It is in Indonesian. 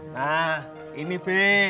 nah ini be